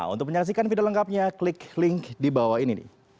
untuk menyaksikan video lengkapnya klik link di bawah ini